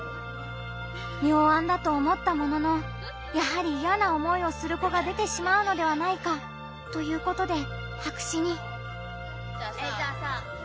妙案だと思ったものの「やはりイヤな思いをする子が出てしまうのではないか」ということで白紙に。